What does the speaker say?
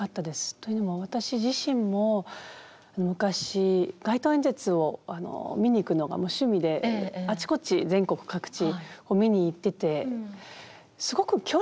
というのも私自身も昔街頭演説を見に行くのが趣味であちこち全国各地を見に行っててすごく距離が近いように感じてたんです。